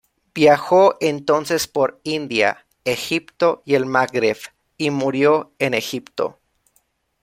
Viajó entonces por India, Egipto y el Magreb, y murió en Egipto.